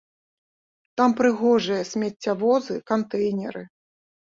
Там прыгожыя смеццявозы, кантэйнеры.